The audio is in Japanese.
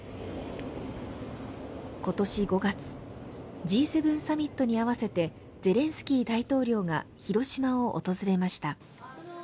今年５月、Ｇ７サミットに合わせてゼレンスキー大統領が広島を訪れました。